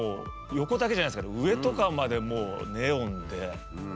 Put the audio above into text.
横だけじゃないですから上とかまでもうネオンで。